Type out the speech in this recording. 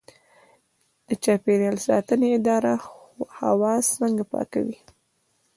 د چاپیریال ساتنې اداره هوا څنګه پاکوي؟